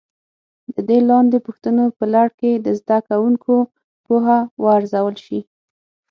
د دې لاندې پوښتنو په لړ کې د زده کوونکو پوهه وارزول شي.